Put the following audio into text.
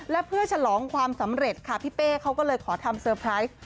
และเพื่อฉลองความสำเร็จค่ะพี่เป้เขาก็เลยขอทำเซอร์ไพรส์